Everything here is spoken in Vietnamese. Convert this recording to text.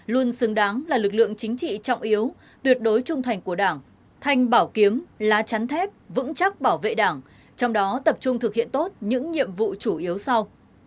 luôn xứng đáng là lực lượng chính trị trọng yếu tuyệt đối trung thành của đảng thanh bảo kiếm lá chắn thép vững chắc bảo vệ đảng trong đó tập trung thực hiện tốt những nhiệm vụ chủ yếu sau